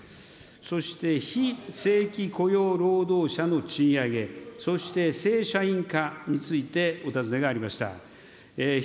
そして、非正規雇用労働者の賃上げ、そして正社員化についてお尋ねがありました。